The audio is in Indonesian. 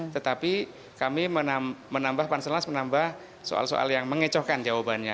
tetapi kami menambah panselnas menambah soal soal yang mengecohkan jawabannya